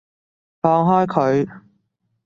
放開佢！